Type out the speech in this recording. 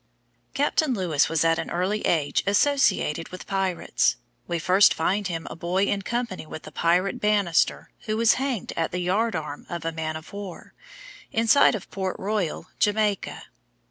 Captain Lewis was at an early age associated with pirates. We first find him a boy in company with the pirate Banister, who was hanged at the yard arm of a man of war, in sight of Port Royal, Jamaica.